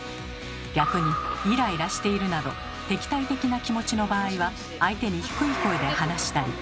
逆にイライラしているなど敵対的な気持ちの場合は相手に低い声で話したり。